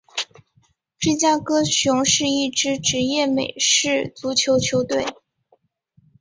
芝加哥熊是一支职业美式足球球队。